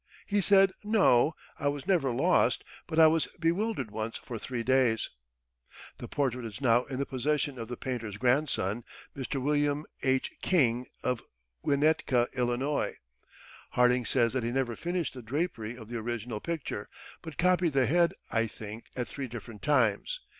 He said 'No, I was never lost, but I was bewildered once for three days.'" The portrait is now in the possession of the painter's grandson, Mr. William H. King, of Winnetka, Ill. Harding says that he "never finished the drapery of the original picture, but copied the head, I think, at three different times."